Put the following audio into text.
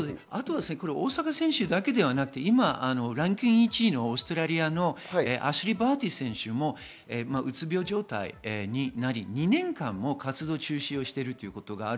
大坂選手だけでなく、ランキング１位のオーストラリアのアシュリー・バーティ選手もうつ病状態になり、２年間活動中止しています。